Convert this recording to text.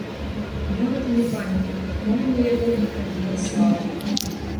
Нават і не памятаю, хто мне яго і калі даслаў.